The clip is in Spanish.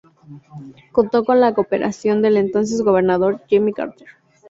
Contó con la cooperación del entonces gobernador Jimmy Carter.